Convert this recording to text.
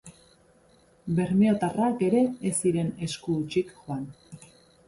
Bermeotarrak ere ez ziren esku hutsik joan.